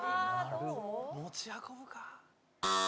持ち運ぶか？